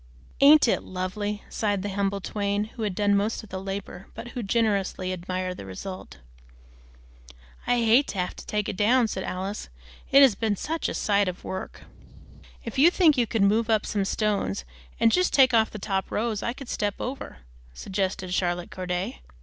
"Ain't it lovely?" sighed the humble twain, who had done most of the labor, but who generously admired the result. "I hate to have to take it down," said Alice, "it's been such a sight of work." "If you think you could move up some stones and just take off the top rows, I could step out over," suggested Charlotte Corday.